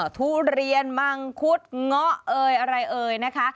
ทุเรียนมังคุดเงาะอะไรนะคะ